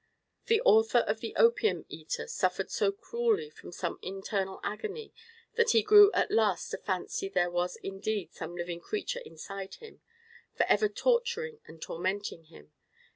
The author of the Opium Eater suffered so cruelly from some internal agony that he grew at last to fancy there was indeed some living creature inside him, for ever torturing and tormenting him.